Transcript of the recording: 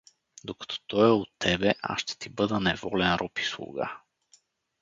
Докато той е у тебе, аз ще ти бъда неволен роб и слуга.